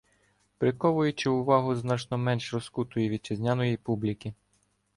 Приковуючи увагу значно менш розкутої вітчизняної публіки